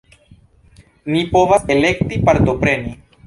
Ni povas elekti partopreni.